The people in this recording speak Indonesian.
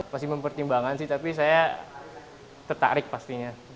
pasti mempertimbangkan sih tapi saya tertarik pastinya